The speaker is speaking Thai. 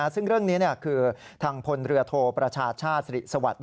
ซึ่งเรื่องนี้คือทางพลเรือโทประชาชาติสิริสวัสดิ์